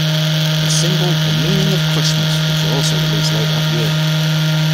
The single "The Meaning of Christmas" was also released later that year.